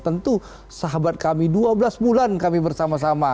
tentu sahabat kami dua belas bulan kami bersama sama